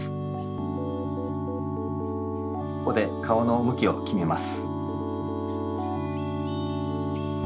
ここで顔のむきをきめます。